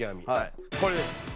これです。